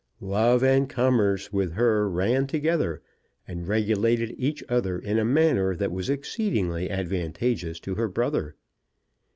Love and commerce with her ran together, and regulated each other in a manner that was exceedingly advantageous to her brother.